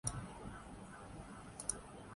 نئے وزیر اعظم کا چنائو درپیش ہے۔